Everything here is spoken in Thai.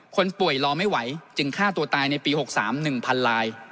คนป่วยรอไม่ไหวจึงฆ่าตัวตายในปี๖๓๑๐๐๐ลาย